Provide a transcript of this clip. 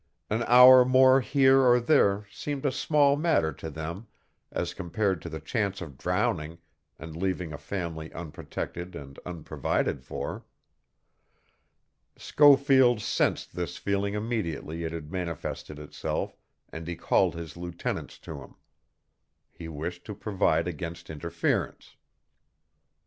An hour more here or there seemed a small matter to them as compared to the chance of drowning and leaving a family unprotected and unprovided for. Schofield sensed this feeling immediately it had manifested itself, and he called his lieutenants to him. He wished to provide against interference.